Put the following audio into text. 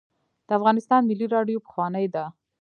د افغانستان ملي راډیو پخوانۍ ده